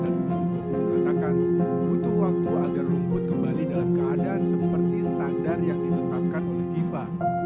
mengatakan butuh waktu agar rumput kembali dalam keadaan seperti standar yang ditetapkan oleh fifa